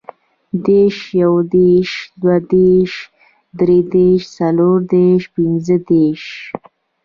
دېرش, یودېرش, دودېرش, دریدېرش, څلوردېرش, پنځهدېرش